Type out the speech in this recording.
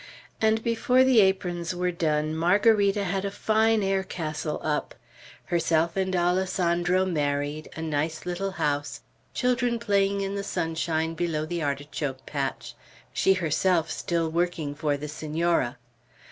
And before the aprons were done, Margarita had a fine air castle up: herself and Alessandro married, a nice little house, children playing in the sunshine below the artichoke patch, she herself still working for the Senora.